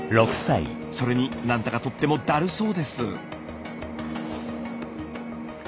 それに何だかとってもだるそうです。